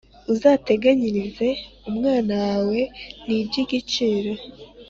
Uzatenganyirize umwana wawe nibyigiciro